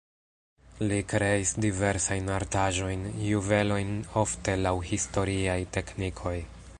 Li kreis diversajn artaĵojn, juvelojn ofte laŭ historiaj teknikoj.